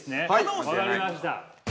◆分かりました。